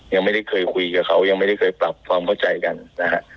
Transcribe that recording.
ยังไม่ได้เคยคุยกับเขายังไม่ได้เคยปรับความเข้าใจกันนะฮะ